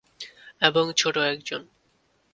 এবং ছোট একজন।